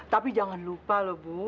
tapi jangan lupa bu